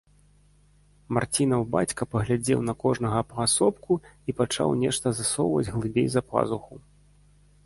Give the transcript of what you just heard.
Марцінаў бацька паглядзеў на кожнага паасобку і пачаў нешта засоўваць глыбей за пазуху.